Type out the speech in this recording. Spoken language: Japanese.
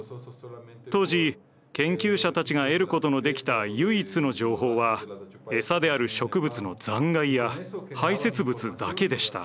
当時研究者たちが得ることのできた唯一の情報は餌である植物の残骸や排せつ物だけでした。